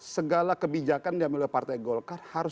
segala kebijakan yang diambil oleh partai golkar